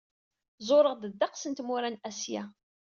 Ẓureɣ-d ddeqs n tmura n Asya.